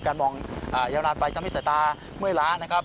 มองยาวนานไปทำให้สายตาเมื่อยล้านะครับ